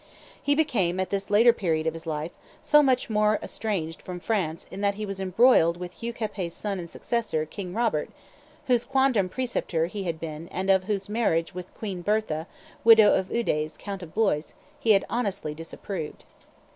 He became, at this later period of his life, so much the more estranged from France in that he was embroiled with Hugh Capet's son and successor, King Robert, whose quondam preceptor he had been and of whose marriage with Queen Bertha, widow of Eudes, count of Blois, he had honestly disapproved.